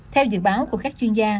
theo dự báo của các chuyên gia